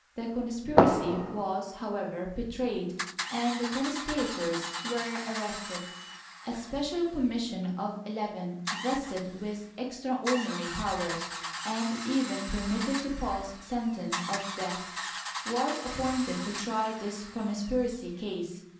The conspiracy was, however, betrayed and the conspirators were arrested. A special commission of eleven, vested with extraordinary powers and even per mitted to pass sentence of death, was appointed to try this conspiracy case.